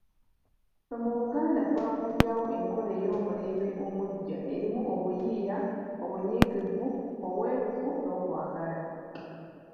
Ffe mu Buganda twagunjawo enkola ey'omulembe omuggya erimu obuyiiya, obunyiikivu, obwerufu, n'okwagala.